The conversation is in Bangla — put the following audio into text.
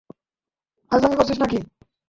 ফাজলামি করছিস নাকি?